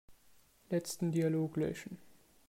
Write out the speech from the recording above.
Letzten Dialog löschen.